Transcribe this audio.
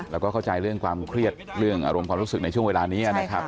แล้วก็เข้าใจเรื่องความเครียดเรื่องอารมณ์ความรู้สึกในช่วงเวลานี้นะครับ